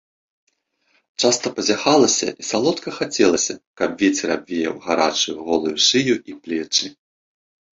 Часта пазяхалася і соладка хацелася, каб вецер абвеяў гарачую голую шыю і плечы.